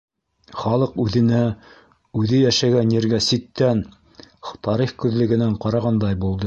Халыҡ үҙенә, үҙе йәшәгән ергә ситтән, тарих күҙлегенән ҡарағандай булды.